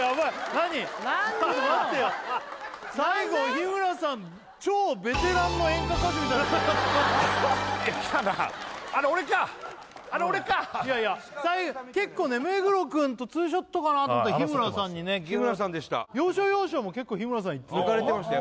何でよちょっと待ってよ最後日村さんきたなあれ俺かあれ俺かいやいや結構ね目黒くんと２ショットかなと思ったら日村さんにね日村さんでした要所要所も結構日村さん抜かれてました